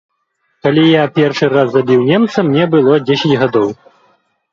Калі я першы раз забіў немца, мне было дзесяць гадоў.